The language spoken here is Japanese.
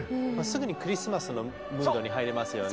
すぐにクリスマスのムードに入れますよね。